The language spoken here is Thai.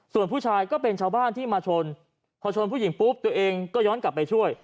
ส่วนผู้ชายก็เป็นชาวบ้านที่มาชนพอชนผู้หญิงปุ๊บตัวเองก็ย้อนกลับไปช่วย